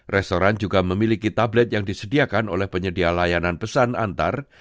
restoran juga memiliki tablet yang disediakan oleh penyedia layanan pesan antar